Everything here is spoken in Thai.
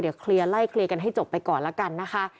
เดี๋ยวไล่เคลียร์กันให้จบไปก่อนละกันนะคะ